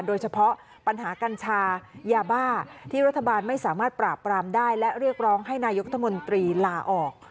โดยเฉพาะปัญหากัญชายาบ้าที่รัฐบาลไม่สามารถปราบปรามได้และเรียกร้องให้นายกรัฐมนตรีลาออก